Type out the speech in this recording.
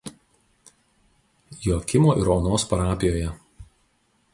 Joakimo ir Onos parapijoje.